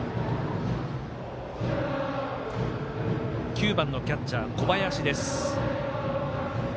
９番のキャッチャー小林。